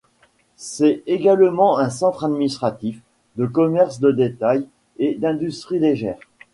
C'est également un centre administratif, de commerce de détail et d'industrie légère.